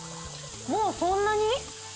もうそんなに？